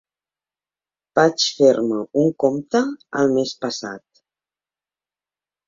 Vaig fer-me un compte el mes passat.